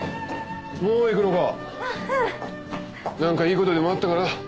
なんかいいことでもあったかな？